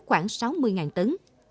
khoảng sáu mươi tấn